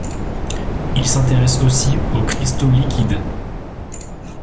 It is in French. Il s'intéresse aussi aux cristaux liquides.